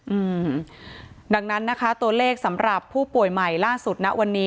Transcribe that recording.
อืมดังนั้นนะคะตัวเลขสำหรับผู้ป่วยใหม่ล่าสุดนะวันนี้